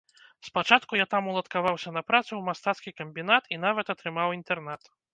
Спачатку я там уладкаваўся на працу ў мастацкі камбінат і нават атрымаў інтэрнат.